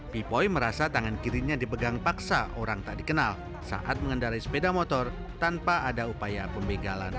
pipoi merasa tangan kirinya dipegang paksa orang tak dikenal saat mengendarai sepeda motor tanpa ada upaya pembegalan